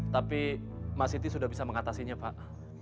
tapi mbak siti sudah bisa mengatasinya pak